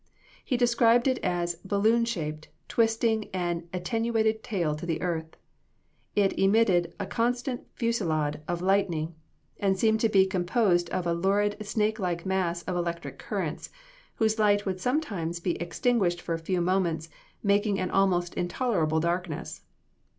He described it as "balloon shaped, twisting an attenuated tail to the earth. It emitted a constant fusillade of lightning, and seemed to be composed of a lurid, snake like mass of electric currents, whose light would sometimes be extinguished for a few moments, making an almost intolerable darkness.